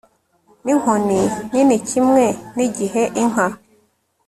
Ninkoni nini kimwe nigihe inka